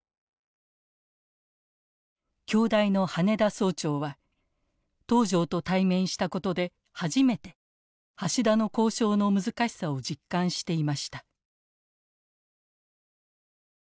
京大の羽田総長は東條と対面したことで初めて橋田の交渉の難しさを実感していました。